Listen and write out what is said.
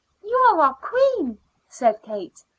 "You are our queen," said Kate.